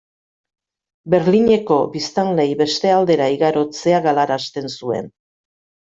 Berlineko biztanleei beste aldera igarotzea galarazten zuen.